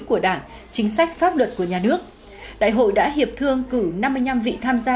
của đảng chính sách pháp luật của nhà nước đại hội đã hiệp thương cử năm mươi năm vị tham gia